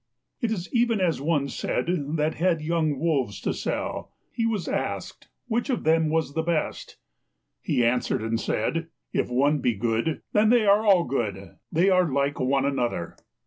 It is even as one said that had young wolves to sell; he was asked which of them was the best. He answered and said, "If one be good, then they are all good; they are like one another."